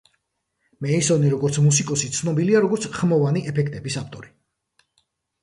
მეისონი, როგორც მუსიკოსი, ცნობილია, როგორც ხმოვანი ეფექტების ავტორი.